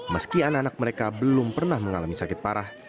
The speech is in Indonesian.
meski anak anak mereka belum pernah mengalami sakit parah